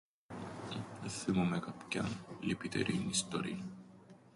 Εν θθυμούμαι κάποιαν λυπητερήν ιστορίαν.